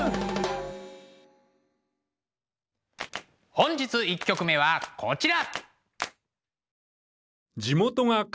本日１曲目はこちら。